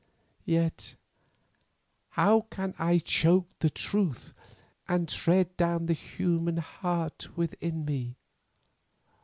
"Yet how can I choke the truth and tread down the human heart within me?